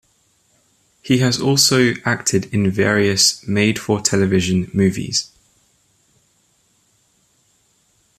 He has also acted in various made-for-television movies.